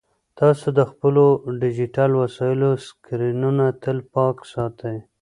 تاسو د خپلو ډیجیټل وسایلو سکرینونه تل پاک ساتئ.